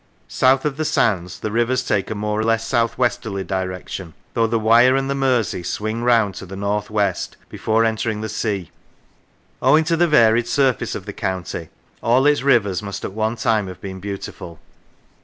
South of the sands the rivers take a more or less south westerly direction, though the Wyre and the Mersey swing round to the north west before entering the sea. Owing to the varied surface of the county all its rivers must at one time have been beautiful.